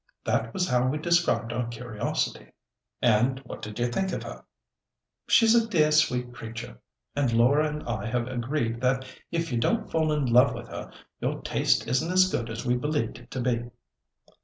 That was how we described our curiosity." "And what do you think of her?" "She's a dear, sweet creature, and Laura and I have agreed that if you don't fall in love with her, your taste isn't as good as we believed it to be."